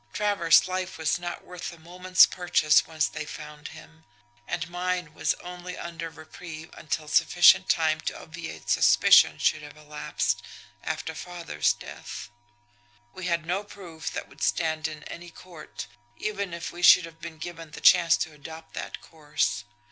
Travers' life was not worth a moment's purchase once they found him and mine was only under reprieve until sufficient time to obviate suspicion should have elapsed after father's death. We had no proof that would stand in any court even if we should have been given the chance to adopt that course.